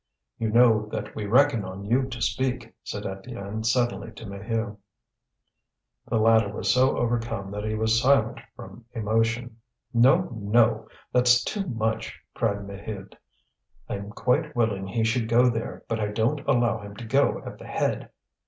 "You know that we reckon on you to speak," said Étienne suddenly to Maheu. The latter was so overcome that he was silent from emotion. "No, no! that's too much," cried Maheude. "I'm quite willing he should go there, but I don't allow him to go at the head.